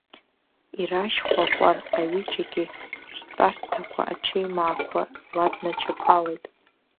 Ирашь хәа кәар аҩыџьагьы ртәарҭақәа аҽеимаақәа ладначаԥалеит.